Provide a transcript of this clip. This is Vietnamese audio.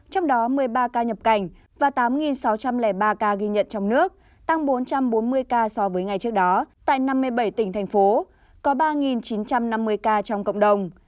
trong đó một mươi ba ca nhập cảnh và tám sáu trăm linh ba ca ghi nhận trong nước tăng bốn trăm bốn mươi ca so với ngày trước đó tại năm mươi bảy tỉnh thành phố có ba chín trăm năm mươi ca trong cộng đồng